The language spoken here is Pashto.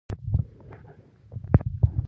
زه رښتیا ویونکی انسان یم.